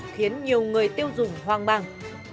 khiến nhiều người tiêu dùng hoang băng